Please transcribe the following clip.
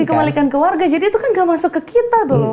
dikembalikan ke warga jadi itu kan gak masuk ke kita tuh loh